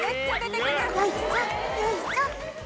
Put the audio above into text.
よいしょよいしょ。